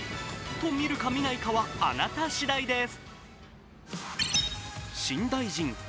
と見るか見ないかはあなた次第です。